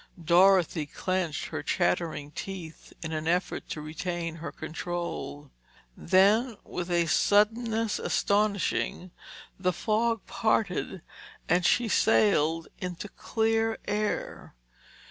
Dorothy clenched her chattering teeth in an effort to retain her control. Then with a suddenness astonishing, the fog parted and she sailed into clear air.